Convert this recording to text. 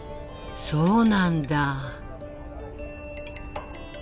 そうなんだ。